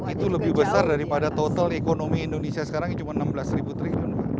itu lebih besar daripada total ekonomi indonesia sekarang yang cuma enam belas triliun pak